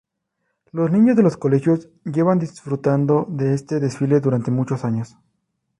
Los niños de los colegios llevan disfrutando de este desfile durante muchos años.